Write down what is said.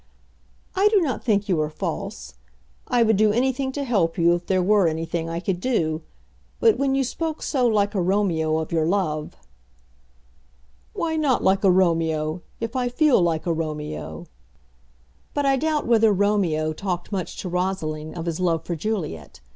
"I do not think you are false. I would do anything to help you if there were anything I could do. But when you spoke so like a Romeo of your love " "Why not like a Romeo, if I feel like a Romeo?" "But I doubt whether Romeo talked much to Rosaline of his love for Juliet.